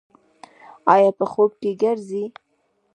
ایا په خوب کې ګرځئ؟